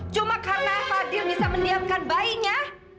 cuma karena fadil bisa mendiamkan bayinya